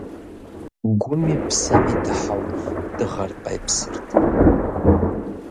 Гуми псэми дыхьэу дыгъэр къепсырт.